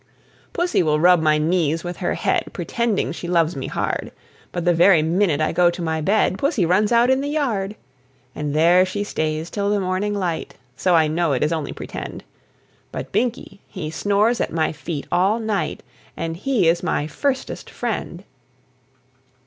Pussy will rub my knees with her head, Pretending she loves me hard; But the very minute I go to my bed Pussy runs out in the yard. And there she stays till the morning light; So I know it is only pretend; But Binkie, he snores at my feet all night, And he is my Firstest Friend!